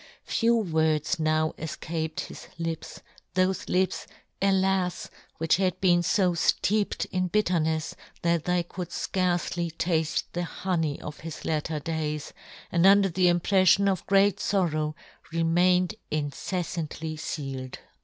Few words now efcaped his lips ; thofe lips, alas ! which had been fo fteeped in bitternefs that they could fcarcely tafle the honey of his latter days, and under the impreflion of great forrow remained inceffantly fealed.